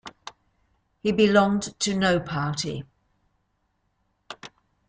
He belonged to no party.